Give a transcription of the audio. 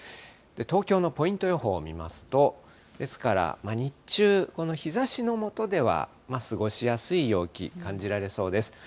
東京のポイント予報を見ますと、ですから日中、この日ざしの下では過ごしやすい陽気、感じられそうです。